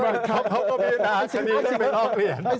เขาก็มีนานทีนี้แล้วไม่ต้องเปลี่ยน